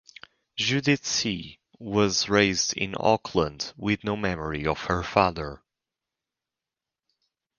Judith Seay was raised in Auckland with no memory of her father.